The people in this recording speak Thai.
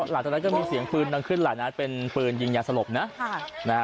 หลังจากนั้นก็มีเสียงปืนดังขึ้นหลายนัดเป็นปืนยิงยาสลบนะ